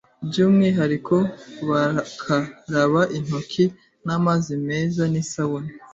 by’umwihariko bakaraba intoki n’amazi meza n’isabune